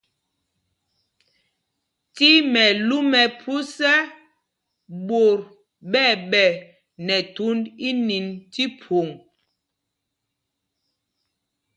Tí mɛlú mɛ phus ɛ, ɓot ɓɛ̂ ɓɛ nɛ thund ínîn tí phwoŋ.